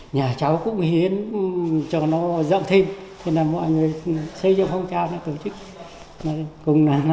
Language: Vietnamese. nhà cháu cũng hiến cho nó rộng thêm mọi người xây dựng phong trào tổ chức